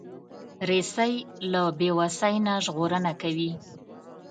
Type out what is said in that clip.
رسۍ له بیوسۍ نه ژغورنه کوي.